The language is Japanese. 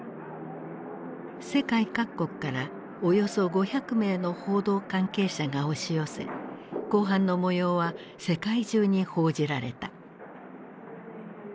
世界各国からおよそ５００名の報道関係者が押し寄せ公判の模様は世界中に報じられた。